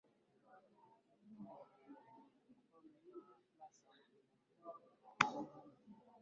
ri mkuu wa ugiriki george papa andrew